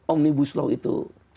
omnibus law itu